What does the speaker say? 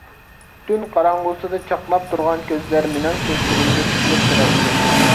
تۈن قاراڭغۇسىدا چاقناپ تۇرغان كۆزلەر مېنىڭ كۆزلىرىمگە تىكىلىپ تۇراتتى.